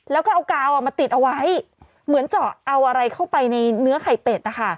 แล้วก็เอากาวมาติดเอาไว้เหมือนเจาะเอาอะไรเข้าไปในเนื้อไข่เป็ดนะคะ